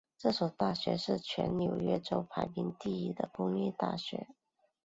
这所大学是全纽约州排名第一的公立大学。